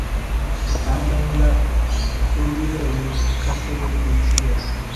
Antaŭ la elirejo kafejo funkcias.